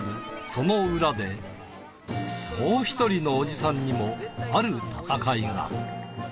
その裏で、もう一人のおじさんにもある戦いが。